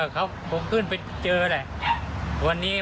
เขาขึ้นไปเจอเลย